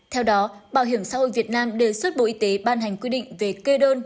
theo đó bảo hiểm xã hội việt nam đề xuất bộ y tế ban hành quy định về kê đơn